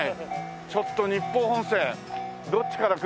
ちょっと日豊本線どっちから来る？